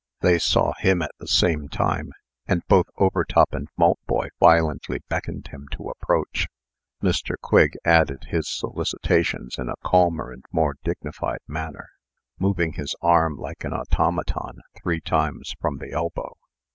They saw him at the same time; and both Overtop and Maltboy violently beckoned him to approach. Mr. Quigg added his solicitations in a calmer and more dignified manner, moving his arm like an automaton three times from the elbow.